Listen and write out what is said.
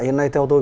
hiện nay theo tôi